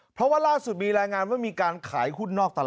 เพราะว่าล่าสุดมีรายงานว่ามีการขายหุ้นนอกตลาด